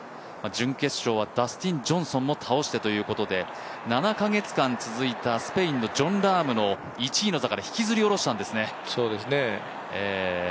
準決勝はダスティン・ジョンソンも倒してということで、７カ月間続いたスペインのジョン・ラームの１位の座から引きずり下ろしたんですね。